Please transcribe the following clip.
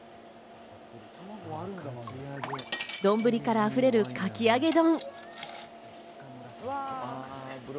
丼から溢れるかき揚げ丼。